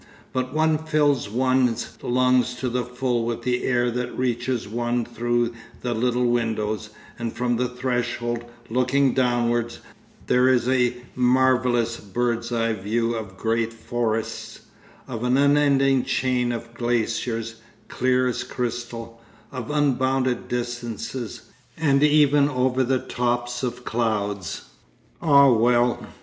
But one fills one's lungs to the full with the air that reaches one through the little windows, and from the threshold, looking downwards, there is a marvellous bird's eye view of great forests, of an unending chain of glaciers, clear as crystal, of unbounded distances, and even over the tops of clouds. Ah well!